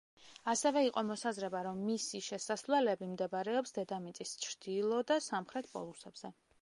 ასევე იყო მოსაზრება, რომ მისი შესასვლელები მდებარეობს დედამიწის ჩრდილო და სამხრეთ პოლუსებზე.